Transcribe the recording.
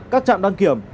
các trạm đăng kiểm